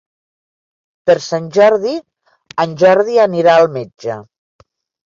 Per Sant Jordi en Jordi anirà al metge.